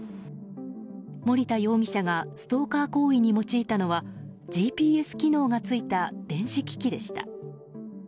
森田容疑者がストーカー行為に用いたのはＧＰＳ機能がついた電子機器でした。